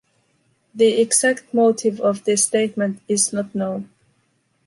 The exact motive of this statement is not known.